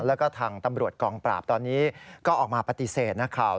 แล้วก็ทางตำรวจกองปราบตอนนี้ก็ออกมาปฏิเสธนะครับ